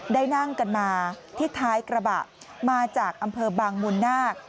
ได้นั่งกันมาที่ท้ายกระบะมาจากอำเภอบางมูลนาค